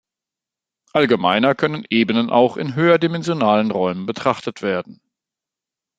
Allgemeiner können Ebenen auch in höherdimensionalen Räumen betrachtet werden.